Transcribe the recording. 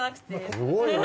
すごいね。